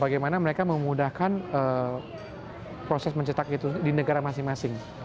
bagaimana mereka memudahkan proses mencetak itu di negara masing masing